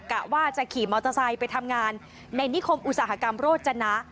กะว่าจะขี่มอเตอร์ไซค์ไปทำงานในนิคมอุตสาหกรรมโรจนะ